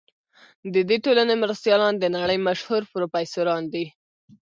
د دې ټولنې مرستیالان د نړۍ مشهور پروفیسوران دي.